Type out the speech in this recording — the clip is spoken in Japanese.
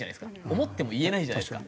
思っても言えないじゃないですか。